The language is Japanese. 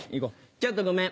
ちょっとごめん。